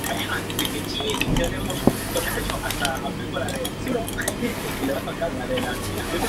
Fue declarado inocente en el juicio celebrado un año más tarde.